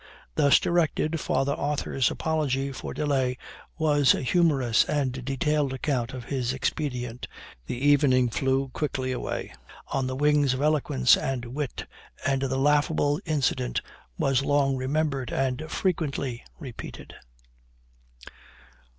Thus directed, 'Father Arthur's' apology for delay was a humorous and detailed account of his expedient the evening flew quickly away on the wings of eloquence and wit, and the laughable incident was long remembered and frequently repeated.